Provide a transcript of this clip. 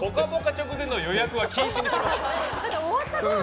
直前の予約は禁止にします。